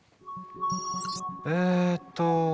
えっと